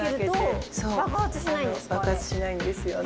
爆発しないんですよね。